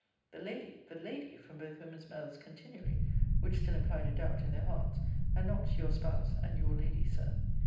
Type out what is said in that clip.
The Lady! The Lady! from both women's mouth's continually (which still implied a doubt in their hearts): and not Your Spouse, and Your Lady, Sir.